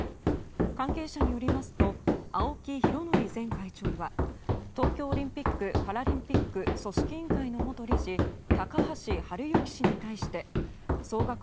関係者によりますと青木拡憲前会長は東京オリンピック・パラリンピック組織委員会の元理事高橋治之氏に対して総額